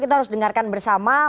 kita harus dengarkan bersama